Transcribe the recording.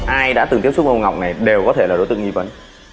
ai đã từng tiếp xúc ông ngọc này đều có thể là đối tượng nghi vấn